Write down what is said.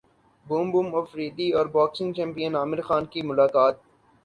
boom boom Afridi اور boxing champion Aamir Khan کی ملاقات